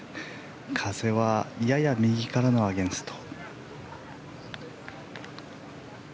風は、やや右からのアゲンスト。